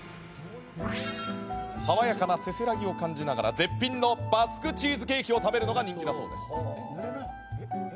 爽やかなせせらぎを感じながら絶品のバスクチーズケーキを食べるのが人気だそうです。